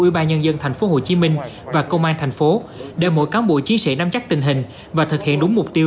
ubnd tp hcm và công an tp hcm để mỗi cán bộ chia sẻ nắm chắc tình hình và thực hiện đúng mục tiêu